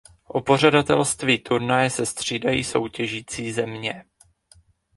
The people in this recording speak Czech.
O pořadatelství turnaje se střídají soutěžící země.